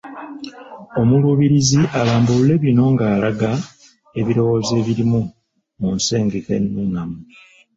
Omuluubirizi alambulule bino ng’alaga ebirowoozo ebirimu mu nsengeka ennungamu